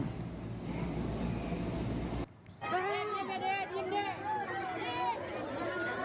tahu yang terjadi adalah berikut